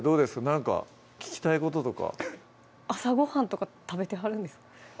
何か聞きたいこととか朝ごはんとか食べてはるんですか？